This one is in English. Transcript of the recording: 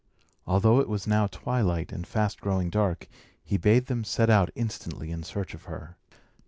Although it was now twilight, and fast growing dark, he bade them set out instantly in search of her.